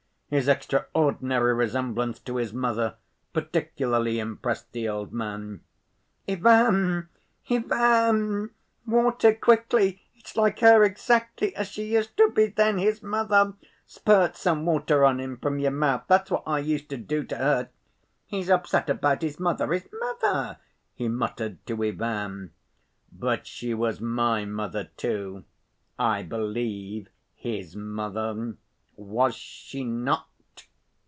His extraordinary resemblance to his mother particularly impressed the old man. "Ivan, Ivan! Water, quickly! It's like her, exactly as she used to be then, his mother. Spurt some water on him from your mouth, that's what I used to do to her. He's upset about his mother, his mother," he muttered to Ivan. "But she was my mother, too, I believe, his mother. Was she not?"